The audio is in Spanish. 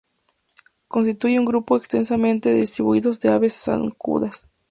Constituyen un grupo extensamente distribuido de aves zancudas.